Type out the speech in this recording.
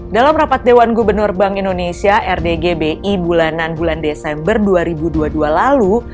dalam rapat dewan gubernur bank indonesia rdgbi bulanan bulan desember dua ribu dua puluh dua lalu